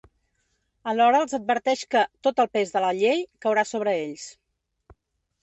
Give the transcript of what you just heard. Alhora els adverteix que ‘tot el pes de la llei’ caurà sobre ells.